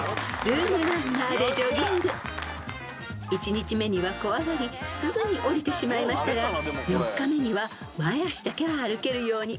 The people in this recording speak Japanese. ［１日目には怖がりすぐにおりてしまいましたが４日目には前足だけは歩けるように］